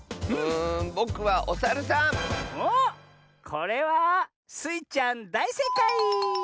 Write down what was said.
これはスイちゃんだいせいかい！